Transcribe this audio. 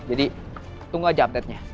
jadi tunggu aja update nya